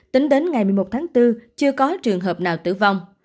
tính đến ngày một mươi một tháng bốn chưa có trường hợp nào tử vong